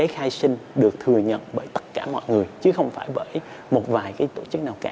khai sinh được thừa nhận bởi tất cả mọi người chứ không phải bởi một vài tổ chức nào cả